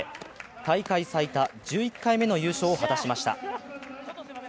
大会最多１１回目の優勝を果たしました。